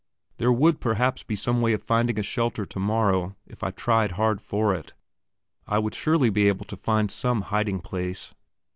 There would perhaps be some way of finding a shelter tomorrow, if I tried hard for it. I would surely be able to find some hiding place.